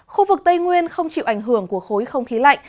khu vực tây nguyên không chịu ảnh hưởng của khối không khí lạnh